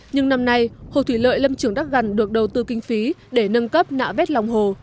nhưng năm nay hồ thủy lợi lâm trường đắk gần được đầu tư kinh phí để nâng cấp nạo vét lòng hồ